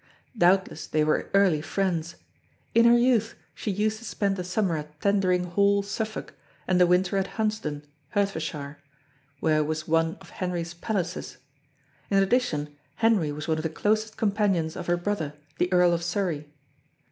Doubtless they were early friends. In her youth she used to spend the summer at Tendring Hall, Suffolk, and the winter at Hunsdon, Hertfordshire, where was one of Henry's palaces; in addition Henry was one of the closest companions of her brother, the Earl of Surrey.